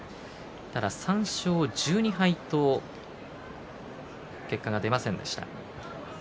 ただ３勝１２敗と結果が出ませんでした。